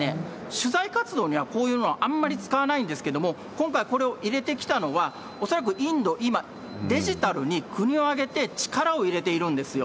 取材活動には、こういうのはあんまり使わないんですけれども、今回これを入れてきたのは、恐らくインド、今、デジタルに国を挙げて力を入れているんですよ。